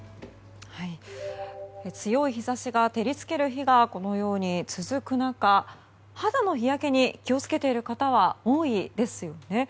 強い日差しが照りつける日が続く中肌の日焼けに気を付けている方は多いですよね。